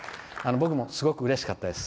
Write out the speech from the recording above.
僕もすごくうれしかったです。